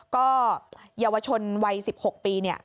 ก็เยาวชนวัย๑๖ปีเนี่ย